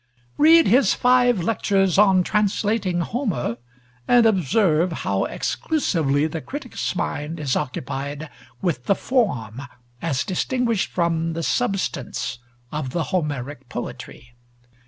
Read his five lectures on translating Homer, and observe how exclusively the critic's mind is occupied with the form as distinguished from the substance of the Homeric poetry.